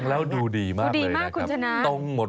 แรงเนี่ยเหรอ